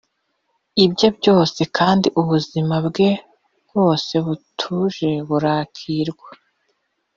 ibye byose! kandi ubuzima bwe bwose butuje burakirwa